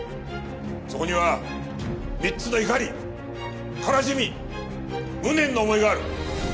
そこには３つの怒り悲しみ無念の思いがある。